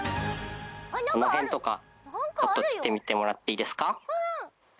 この辺とかちょっと来てみてもらっていいですか？